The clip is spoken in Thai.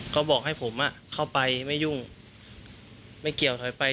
เขาบอกให้ผมเข้าไปไม่ยุ่งไม่เกี่ยวถอยไป